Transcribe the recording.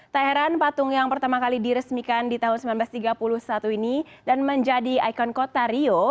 tak heran patung yang pertama kali diresmikan di tahun seribu sembilan ratus tiga puluh satu ini dan menjadi ikon kota rio